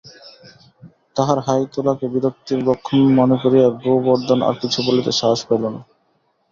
তাহার হাই তোলাকে বিরক্তির লক্ষণ মনে করিয়া গোবর্ধন আর কিছু বলিতে সাহস পাইল না।